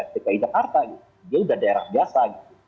dki jakarta dia sudah daerah biasa